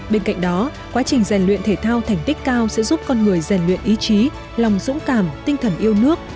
bên cạnh đó quá trình rèn luyện thể thao thành tích cao sẽ giúp con người rèn luyện ý chí lòng dũng cảm tinh thần yêu nước